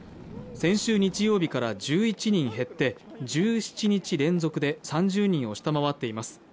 先週日曜日から１１人減って１７日連続で３０人を下回っています。